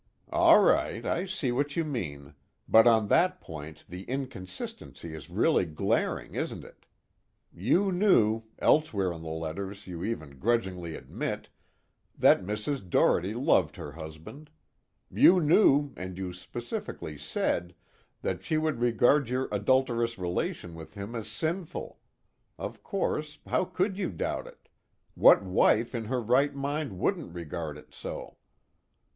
"All right, I see what you mean, but on that point the inconsistency is really glaring, isn't it? You knew elsewhere in the letters you even grudgingly admit that Mrs. Doherty loved her husband. You knew, and you specifically said, that she would regard your adulterous relation with him as sinful of course, how could you doubt it, what wife in her right mind wouldn't regard it so?